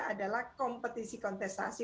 adalah kompetisi kontestasi